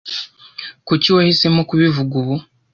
Kuki wahisemo kubivuga ubu?